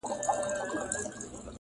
او که هر یو د ځان په غم دی له یخنیه غلی-